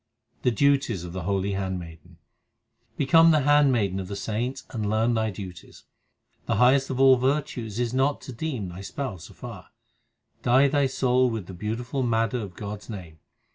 The duties of the holy handmaiden : Become the handmaiden of the saints and learn thy duties : The highest of all virtues is not to deem thy Spouse afar. Dye thy soul with the beautiful madder of God s name.